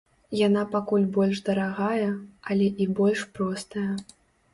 Яна пакуль больш дарагая, але і больш простая.